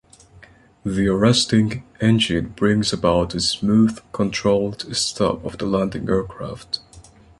The arresting engine brings about a smooth, controlled stop of the landing aircraft.